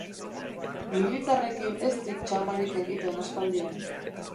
Militarrekin ez dik txamarik egiten aspaldian.